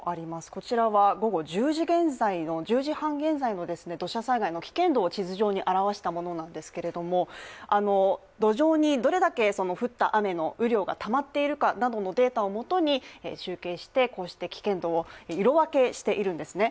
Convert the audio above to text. こちらは午後１０時半現在の、土砂災害の危険度を地図上に表したものなんですけれども土壌にどれだけ降った雨の雨量がたまっているかなどのデータをもとに集計して、こうして、危険度を色分けしているんですね。